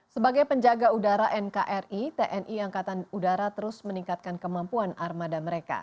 sebagai penjaga udara nkri tni angkatan udara terus meningkatkan kemampuan armada mereka